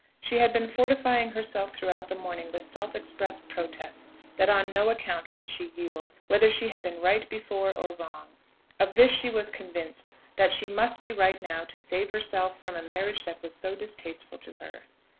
She had been fortifying herself throughout the morning with self expressed protests that on no account would she yield, whether she had been right before or wrong; of this she was convinced, that she must be right now to save herself from a marriage that was so distasteful to her.